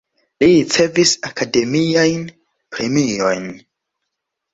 Li ricevis akademiajn premiojn.